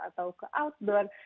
atau ke luar